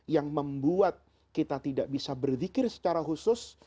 yang membuat kita tidak bisa berzikir secara khusus